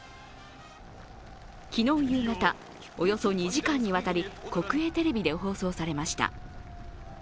昨日夕方、およそ２時間にわたり国営テレビで放送されました。